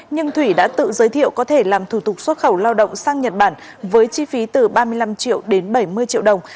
nhưng thủy đã tự giới thiệu có thể làm thủ tục xuất khẩu lao động sang nhật bản với chi phí từ ba mươi năm triệu đến bảy mươi triệu đồng